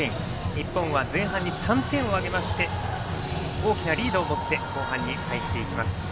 日本は前半に３点を挙げまして大きなリードを持って後半に入っていきます。